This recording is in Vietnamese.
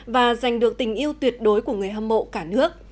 và giành được tình yêu tuyệt đối của người hâm mộ cả nước